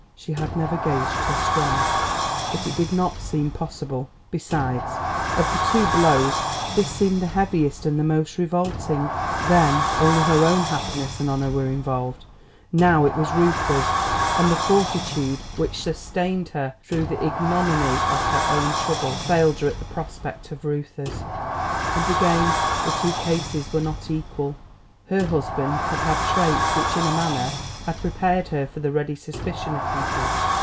She had never gauged her strength, but it did not seem possible. Besides of the two blows, this seemed the heaviest and the most revolting. Then, only her own happiness and honour were involved; now it was Reuther's; and the fortitude which sustained her through the ignominy of her own trouble, failed her at the prospect of Reuther's. And again, the two cases were not equal. Her husband had had traits which, in a manner, had prepared her for the ready suspicion of people.